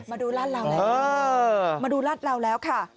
มาดูรถเราแล้วเออมาดูรถเราแล้วค่ะ